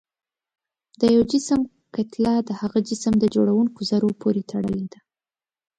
د یو جسم کتله د هغه جسم د جوړوونکو ذرو پورې تړلې ده.